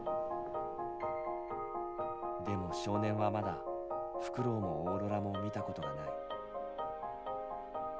でも少年はまだフクロウもオーロラも見たことがない。